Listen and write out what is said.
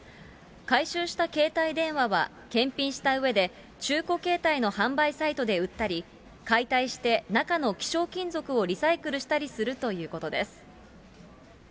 回収した携帯電話は、検品したうえで中古携帯の販売サイトで売ったり、解体して、中の希少金属をリサイクルしたりするということです。